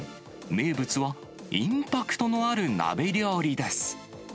名物は、インパクトのある鍋料理です。